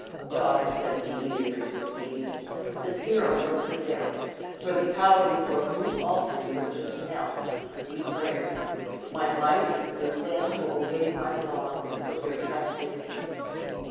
"Daughter," said he, leading her to a seat, "this hero will prevail; for the Power before whose altar you have just knelt, has declared, 'My might is with them who obey my laws, and put their trust in me!'